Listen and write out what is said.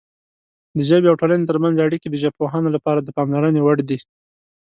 د ژبې او ټولنې ترمنځ اړیکې د ژبپوهانو لپاره د پاملرنې وړ دي.